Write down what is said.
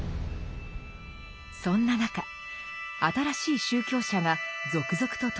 そんな中新しい宗教者が続々と登場します。